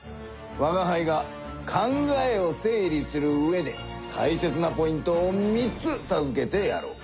わがはいが考えを整理するうえでたいせつなポイントを３つさずけてやろう。